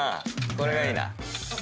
これがいいな。